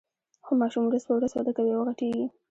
خو ماشوم ورځ په ورځ وده کوي او غټیږي.